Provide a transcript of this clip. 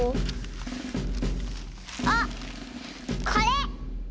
あっこれ！